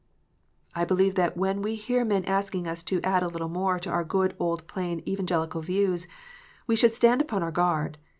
I believe that when we hear men asking us to " add a little more " to our good old plain Evangelical views, we should stand upon our guard.